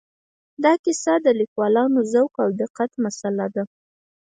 دا د کیسه لیکوالو ذوق او دقت مساله ده.